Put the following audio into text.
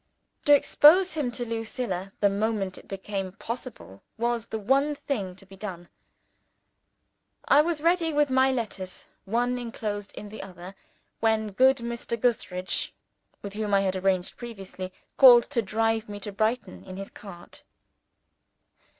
To expose him to Lucilla the moment it became possible was the one thing to be done. I was ready with my letters, one enclosed in the other, when good Mr. Gootheridge (with whom I had arranged previously) called to drive me to Brighton in his light cart.